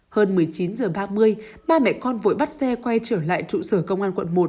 hơn một mươi chín h ba mươi ba mẹ con vội bắt xe quay trở lại trụ sở công an quận một